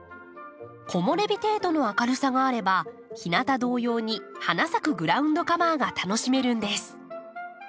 木漏れ日程度の明るさがあれば日なた同様に花咲くグラウンドカバーが楽しめるんです。